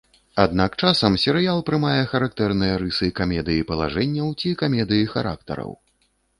Аднак часам серыял прымае характэрныя рысы камедыі палажэнняў ці камедыі характараў.